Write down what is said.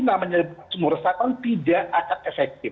namanya semua resahkan tidak akan efektif